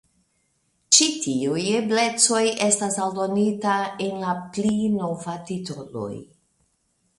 Ĉi tiuj eblecoj estas aldonita en la pli nova titoloj.